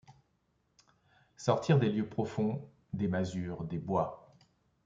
Sortir des lieux profonds, des masures, des bois